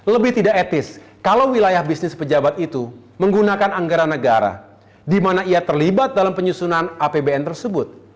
lebih tidak etis kalau wilayah bisnis pejabat itu menggunakan anggaran negara di mana ia terlibat dalam penyusunan apbn tersebut